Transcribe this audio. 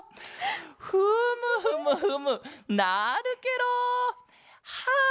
フムフムフムなるケロ！はあ